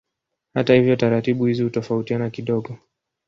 Hata hivyo taratibu hizi hutofautiana kidogo.